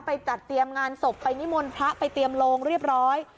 จัดเตรียมงานศพไปนิมนต์พระไปเตรียมโลงเรียบร้อย